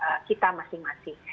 keluarga kita masing masing